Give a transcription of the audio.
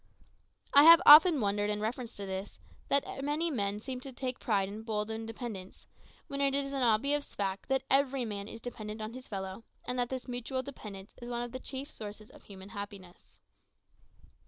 I have often wondered, in reference to this, that many men seem to take pride in bold independence, when it is an obvious fact that every man is dependent on his fellow, and that this mutual dependence is one of the chief sources of human happiness.